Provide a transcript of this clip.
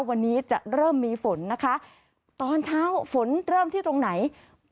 วันนี้จะเริ่มมีฝนนะคะตอนเช้าฝนเริ่มที่ตรงไหน